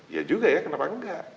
ya juga ya kenapa enggak